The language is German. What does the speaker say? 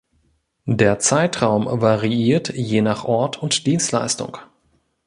Der Zeitraum variiert je nach Ort und Dienstleistung.